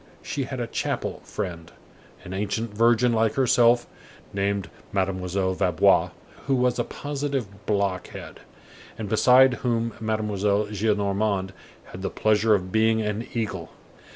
She had a chapel friend, an ancient virgin like herself, named Mademoiselle Vaubois, who was a positive blockhead, and beside whom Mademoiselle Gillenormand had the pleasure of being an eagle.